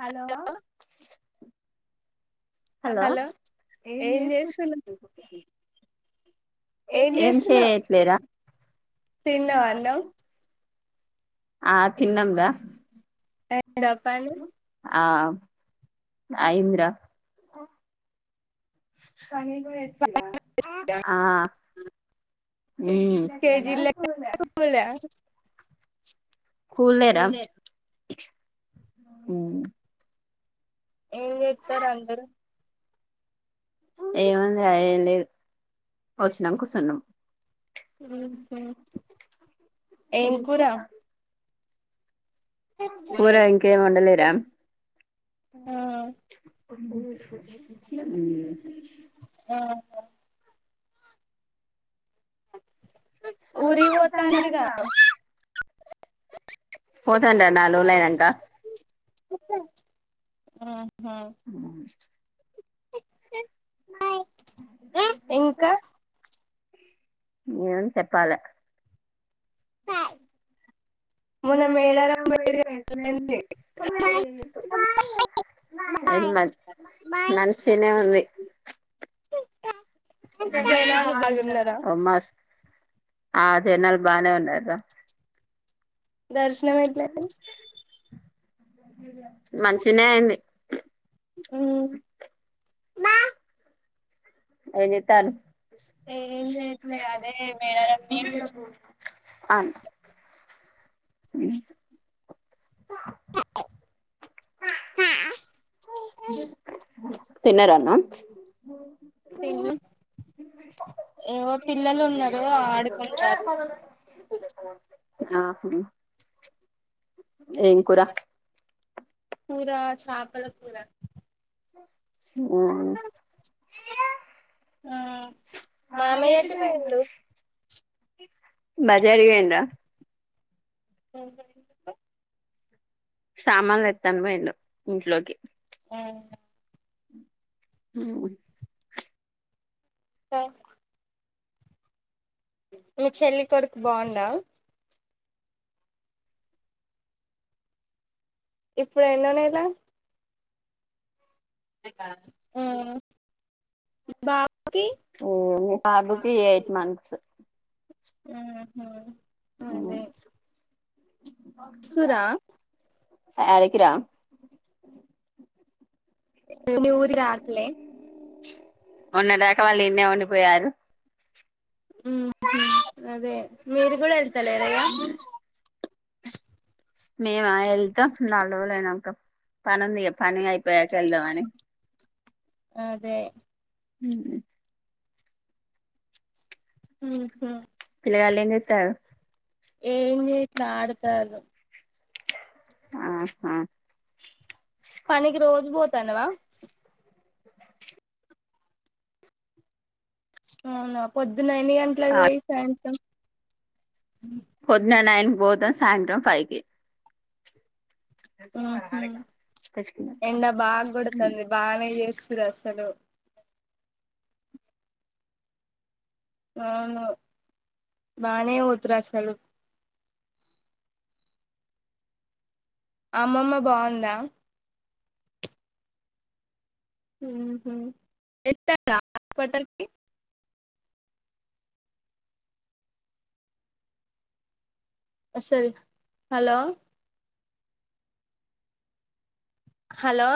hello hello ఏం చేస్తున్నావ్ ఎంజేస్తున్నర్ ఏం ఏమ్ చేస్తున్నావ్ చేయట్లేరా తిన్నావా అన్నం ఆ తిన్నమ్రా డబ్బాలు ఆ ఐయింద్ర పనికి పోయచ్చిరా ఆ ఉమ్ కేజీల్ లేక్ [unintelligible] కూలేరా ఏం జెతారూందరు ఏముందిరా ఏమ్ లేదు వచ్చినం కుసున్నాం ఉహూ ఏమ్ కూర కూర ఇంకా ఏమ్ అండలేరా ఆ ఉ [unintelligible] ఊరి ఓతా అన్నారుగా పోతం రా నాల్రోల్ అయినాక ఉ ఉ ఇంకా [unintelligible] నేను చెప్పాల హ [unintelligible] మొన్న మేడారం అట్నేవుంది ఎమద్ మంచిగనే ఉంది తెల్లది జనాలు బాల్ ఉండదా బాగున్నారా ఆ జనాలు బానే ఉన్నారు రా దర్శనం ఎట్ల ఐంది మంచిగనే అయింది అయింది ఏం జేత్తరు ఏం చేయట్లే అదే మేడారం అన్ అ మేము తిన్నారా అన్నం తిన్నాం ఇగో పిల్లలున్నారు ఆడుకుంటారు ఆ ఫీ ఏం కూరా కూర చాపల కూర మ్మ్ నానబెట్టి పోండి బజారకి పోయిండ్రా సామాన్లు దేత్త అని పోయిండు ఇంట్లోకి ఆ మ్ స మీ చెల్లి తొడుకు బాగుండా ఇప్పుడు ఎన్నో నెల బా మీ బాబుకి ఎయిట్ మంత్స్ మ్ హు మ్మ్ వస్తురా యారికి రా ఊరి రాట్లే మొన్న దాకా వాళ్ళు ఇన్నే వుండిపోయారు అదే మీరుగూడా ఎళ్తలేర ఇగా మేమా ఏళ్తాం నాల్ రోజులైనంక పనుంది గదా పని అయిపోయాక ఏల్ దామని అదే మ్ హు పిల్లగాళ్ళు ఏం జెస్తారు ఏం జేట్లా ఆడతారు ఆహ పనికి రోజు పోతానవా అవునా పొద్దున్న ఎన్ని గంటలకు పోయి సాయంత్రం పొద్దునా నైన్ కి బోతా సాయంత్రం ఫైవ్ కి మ్ హు తెచ్చుకున్నాక ఎండ బాగా గోడతాంది బాగానే చే సురు అసలు అవును బానే బోతురు అసలు అమ్మమ్మ బావుందా మ్ హు ఎత్తయింది హాస్పిటల్ కి అసల్ హాలో హాలో